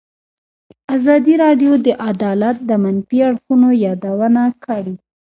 ازادي راډیو د عدالت د منفي اړخونو یادونه کړې.